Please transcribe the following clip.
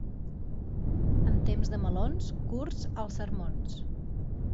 En temps de melons, curts els sermons.